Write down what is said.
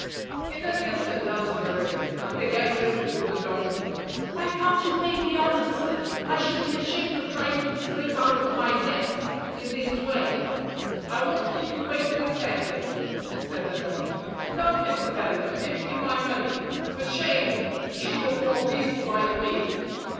"In an instant," answered the raven, and again whispered to the donkey, "Why can't you pay me honestly? I should be ashamed of try ing to slip out of my debts in this way!" "I won't keep you waiting a second," said the donkey. "Come, Mr. Peddler, give me my money. For shame! To cheat a poor beast like me!